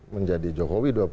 menjadi jokowi dua puluh